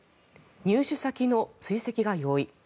入手先の追跡が容易。